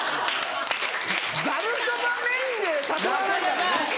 ざるそばメインで誘わないからね。